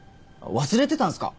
忘れてたんすか？